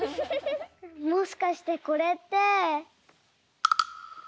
もしかしてこれって。